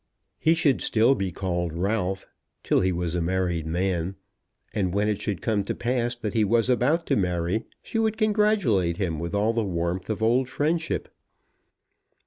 He should still be called Ralph, till he was a married man; and when it should come to pass that he was about to marry she would congratulate him with all the warmth of old friendship.